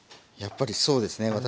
やっぱりそうですね